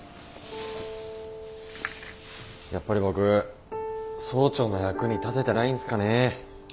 やっぱり僕総長の役に立ててないんすかね。